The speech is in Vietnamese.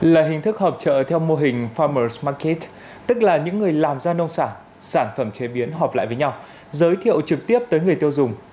là hình thức họp trợ theo mô hình farmer smartit tức là những người làm ra nông sản sản phẩm chế biến họp lại với nhau giới thiệu trực tiếp tới người tiêu dùng